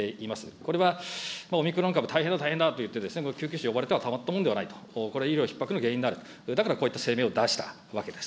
これはオミクロン株、大変だ、大変だといって救急車呼ばれてはたまったもんではないと、これで医療ひっ迫の原因になる、それでこういった声明を出したわけです。